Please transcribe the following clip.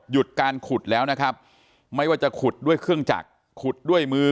หยุดการขุดแล้วนะครับไม่ว่าจะขุดด้วยเครื่องจักรขุดด้วยมือ